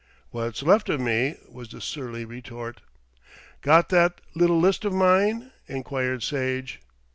"What's left of me," was the surly retort. "Got that little list of mine?" enquired Sage.